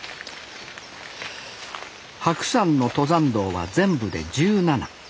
白山の登山道は全部で１７。